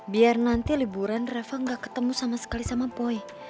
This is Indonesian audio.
biar nanti liburan rafa gak ketemu sama sekali sama poi